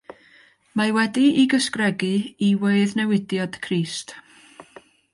Mae wedi'i gysegru i weddnewidiad Crist.